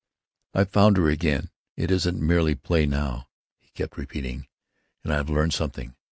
"I've found her again; it isn't merely play, now!" he kept repeating. "And I've learned something.